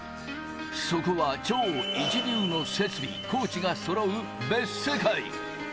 そこは超一流の設備、コーチがそろう別世界。